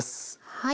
はい。